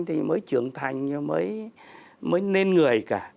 thì mới trưởng thành mới nên người cả